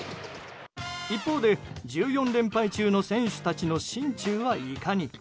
一方で１４連敗中の選手たちの心中はいかに。